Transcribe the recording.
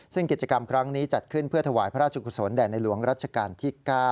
ซึ่งกิจกรรมครั้งนี้จัดขึ้นเพื่อถวายพระราชกุศลแด่ในหลวงรัชกาลที่๙